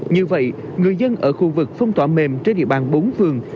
như vậy người dân ở khu vực phong tỏa mềm trên địa bàn bốn phường